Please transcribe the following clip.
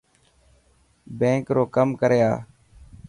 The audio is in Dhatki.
بينڪ رو ڪم ڪري آءِ.